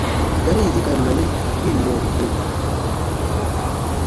Gari yì i ka na mi, yi ǹ nɔɔbu do.